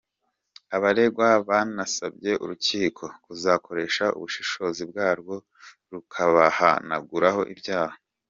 Abaregwa banasabye urukiko kuzakoresha ubushishozi bwarwo rukabahanaguraho ibyaha.